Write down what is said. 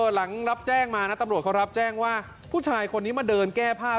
หลังรับแจ้งมานะตำรวจเขารับแจ้งว่าผู้ชายคนนี้มาเดินแก้ผ้า